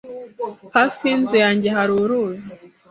Hafi yinzu yanjye hari uruzi.